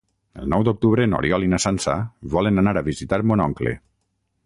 El nou d'octubre n'Oriol i na Sança volen anar a visitar mon oncle.